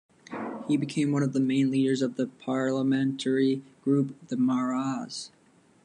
He became one of the main leaders of the parliamentary group, the Marais.